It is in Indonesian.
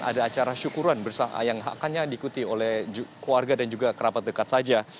ada acara syukuran yang haknya diikuti oleh keluarga dan juga kerabat dekat saja